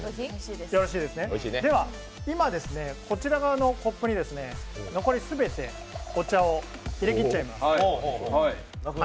今、こちら側のコップに残り全て、お茶を入れきっちゃいます。